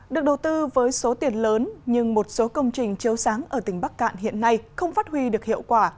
được đầu tư với số tiền lớn nhưng một số công trình chiếu sáng ở tỉnh bắc cạn hiện nay không phát huy được hiệu quả